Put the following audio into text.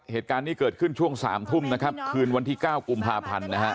เหตุการณ์นี้เกิดขึ้นช่วง๓ทุ่มนะครับคืนวันที่๙กุมภาพันธ์นะฮะ